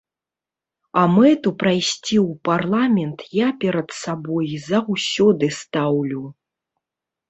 А мэту прайсці ў парламент я перад сабой заўсёды стаўлю.